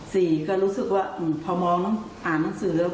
สี่ก็รู้สึกว่าพอมองต้องอ่านหนังสือแล้ว